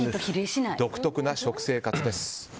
独特な食生活です。